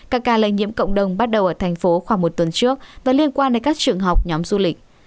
các ca lây nhiễm cộng đồng bắt đầu ở thành phố khoảng một tuần trước và liên quan đến các trường học nhóm du lịch